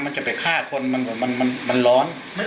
จะไปฆ่าคนมันร้อน